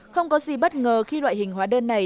không có gì bất ngờ khi loại hình hóa đơn này